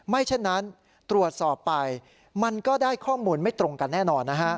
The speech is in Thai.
เช่นนั้นตรวจสอบไปมันก็ได้ข้อมูลไม่ตรงกันแน่นอน